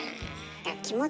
だから気持ちかな。